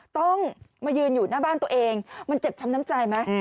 ต้องมายืนอยู่หน้าบ้านตัวเองมันเจ็บช้ำน้ำใจไหม